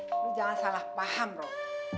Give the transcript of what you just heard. tapi jangan salah paham roh